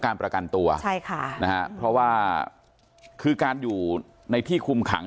การประกันตัวใช่ค่ะนะฮะเพราะว่าคือการอยู่ในที่คุมขัง